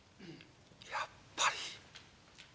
「やっぱり」。